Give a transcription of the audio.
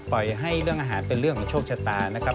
ปล่อยให้เรื่องอาหารเป็นเรื่องของโชคชะตานะครับ